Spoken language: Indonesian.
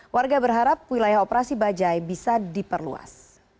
warga berharap wilayah operasi bajai bisa diperluas